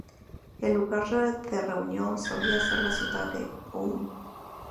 El lugar de reunión solía ser la ciudad de Ulm.